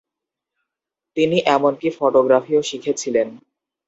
তিনি এমনকি ফটোগ্রাফিও শিখেছিলেন।